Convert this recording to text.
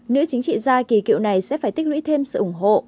nữ chính trị gia kỳ cựu này sẽ phải tích lũy thêm sự ủng hộ